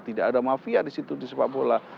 tidak ada mafia di situ di sepak bola